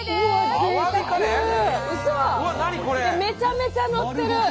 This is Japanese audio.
めちゃめちゃのってる！